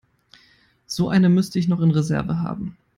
So eine müsste ich noch in Reserve haben.